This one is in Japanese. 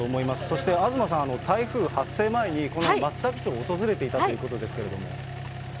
そして東さん、台風発生前にこの松崎町を訪れていたということですけれども。